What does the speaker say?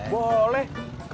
buat abang kemarin